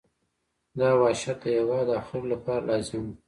دا وحشت د هېواد او خلکو لپاره لازم وو.